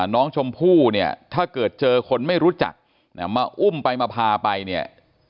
น้องชมพู่เนี่ยถ้าเกิดเจอคนไม่รู้จักมาอุ้มไปมาพาไปเนี่ย